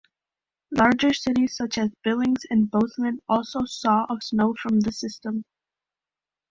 Larger cities such as Billings and Bozeman also saw of snow from the system.